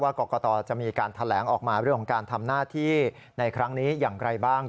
กรกตจะมีการแถลงออกมาเรื่องของการทำหน้าที่ในครั้งนี้อย่างไรบ้าง